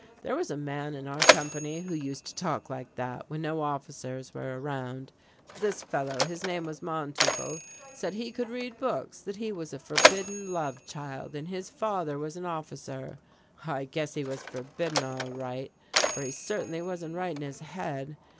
There was a man in our company who used to talk like that when no officers were around. This fellow, his name was Mannteufel, said he could read books, that he was a forbidden love child and his father was an officer. I guess he was forbidden all right, for he certainly wasn't right in his head.